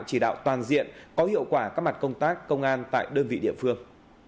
chỉ đạo toàn diện có hiệu quả các mặt công tác công an tại đơn vị địa phương